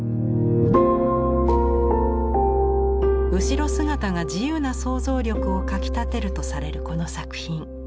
後ろ姿が自由な想像力をかきたてるとされるこの作品。